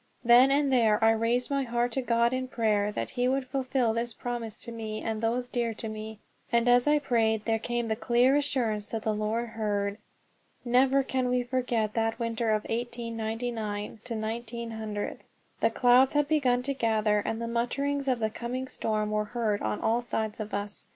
Then and there I raised my heart to God in prayer that he would fulfil this promise to me and those dear to me; and as I prayed there came the clear assurance that the Lord heard. Never can we forget that winter of 1899 1900. The clouds had begun to gather, and the mutterings of the coming storm were heard on all sides of us.